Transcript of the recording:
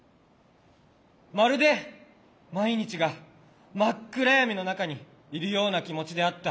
まるで毎日が真っ暗闇の中にいるような気持ちであった。